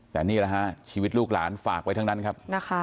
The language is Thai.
แต่นี่แหละฮะชีวิตลูกหลานฝากไว้ทั้งนั้นครับ